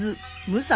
武蔵